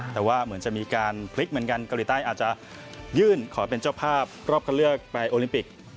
แต่ว่าเหมือนจะมีการพลิกเหมือนกันเกาหลีใต้อาจจะยื่นขอเป็นเจ้าภาพรอบคันเลือกไปโอลิมปิก